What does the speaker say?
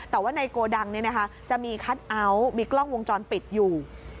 แต่ว่าในโกดังจะมีคัทเอาท์มีกล้องวงจรปิดอยู่